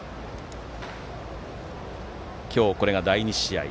今日、これが第２試合。